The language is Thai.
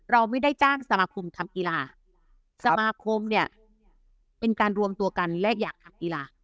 เราไม่ได้จ้างสมาคมทำกีฬาสมาคมเนี่ยเป็นการรวมตัวกันและอยากทำกีฬา